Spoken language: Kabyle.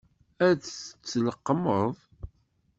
Ad tt-tleqqmeḍ?